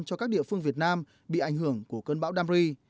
cho các địa phương việt nam bị ảnh hưởng của cơn bão damri